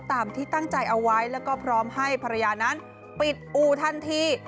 ตามที่ตั้งใจเอาไว้แล้วก็พร้อมให้ภรรยานั้นปิดอู่ทันที